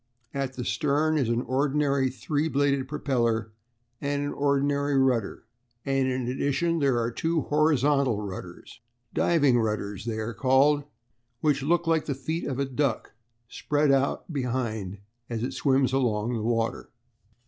At the stern is an ordinary three bladed propeller and an ordinary rudder, and in addition there are two horizontal rudders "diving rudders" they are called which look like the feet of a duck spread out behind as it swims along the water.